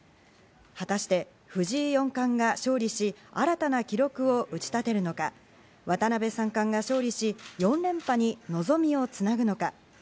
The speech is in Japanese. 果たして藤井四冠が勝利し、新たな記録を打ち立てるのか、渡辺三冠が勝利し４連覇に望みをつなぐのか。